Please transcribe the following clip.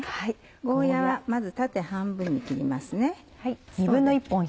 ゴーヤはまず縦半分に切りますね。